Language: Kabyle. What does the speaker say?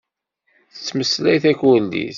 Tettmeslay takurdit.